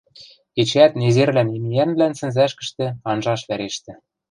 Эчеӓт незерлӓн имниӓнвлӓн сӹнзӓшкӹштӹ анжаш вӓрештӹ.